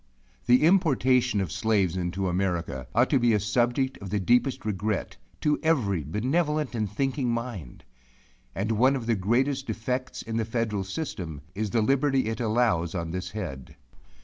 The importation of slaves into America ought to be a subject of the deepest regret, to every benevolent and thinking mind. And one of the greatest defects in the federal system, is the liberty it allows on this head.